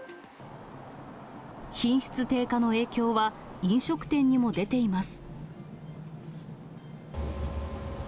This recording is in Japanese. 品質低下の影響は飲食店にも出ています。